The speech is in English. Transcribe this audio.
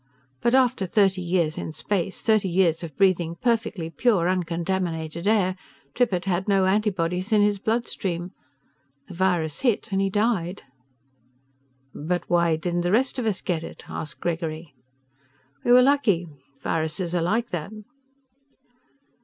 But after thirty years in space, thirty years of breathing perfectly pure, uncontaminated air, Trippitt had no antibodies in his bloodstream. The virus hit and he died." "But why didn't the rest of us get it?" asked Gregory. "We were lucky. Viruses are like that."